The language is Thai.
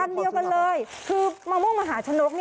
อันเดียวกันเลยคือมะม่วงมหาชนก